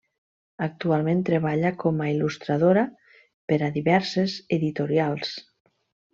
Actualment treballa com a il·lustradora per a diverses editorials.